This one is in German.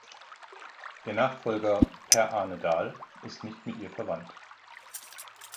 Ihr Nachfolger Per Arne Dahl ist nicht mit ihr verwandt.